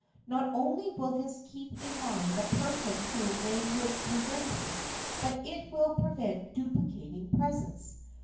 Not only will this keep in mind the person whom they would remember, but it will prevent duplicating presents.